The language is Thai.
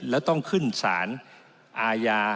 แล้วต้องขึ้นสารอาญา